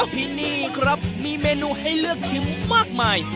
ที่นี่ครับมีเมนูให้เลือกชิมมากมาย